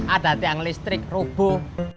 ada tiang listrik rubuh